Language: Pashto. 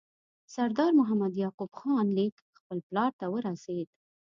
د سردار محمد یعقوب خان لیک خپل پلار ته ورسېد.